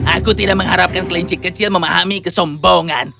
aku tidak mengharapkan kelinci kecil memahami kesombongan